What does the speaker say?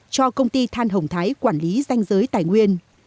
cho công ty than hồng thái quản lý danh giới tài nguyên